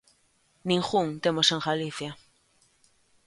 Ningún temos en Galicia.